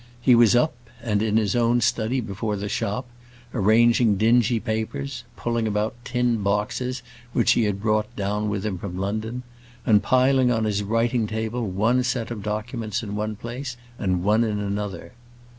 He was up, and in his own study behind the shop, arranging dingy papers, pulling about tin boxes which he had brought down with him from London, and piling on his writing table one set of documents in one place, and one in another.